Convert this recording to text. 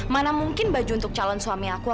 mana mungkin baju untuk calon suami aku aku percaya